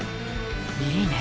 いいね